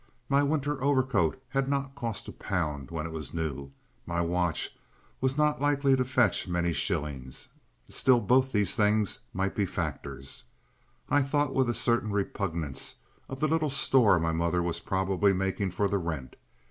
My winter overcoat had not cost a pound when it was new, my watch was not likely to fetch many shillings. Still, both these things might be factors. I thought with a certain repugnance of the little store my mother was probably making for the rent.